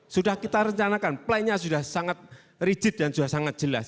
sudah kita rencanakan plannya sudah sangat rigid dan sudah sangat jelas